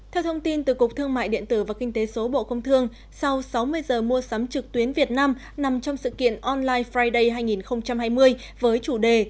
theo thông tin từ cục thương mại điện tử và kinh tế số bộ công thương sau sáu mươi giờ mua sắm trực tuyến việt nam nằm trong sự kiện online friday hai nghìn hai mươi với chủ đề